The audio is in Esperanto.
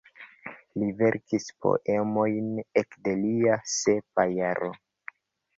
Li verkis poemojn ekde lia sepa jaro.